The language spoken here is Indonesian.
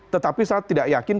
tetapi saya tidak yakin